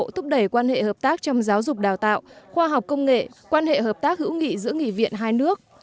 thúc đẩy quan hệ hợp tác trong giáo dục đào tạo khoa học công nghệ quan hệ hợp tác hữu nghị giữa nghị viện hai nước